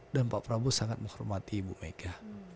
dan pak prabowo sangat menghormati ibu mega